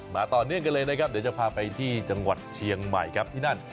ต่อเนื่องกันเลยนะครับเดี๋ยวจะพาไปที่จังหวัดเชียงใหม่ครับที่นั่น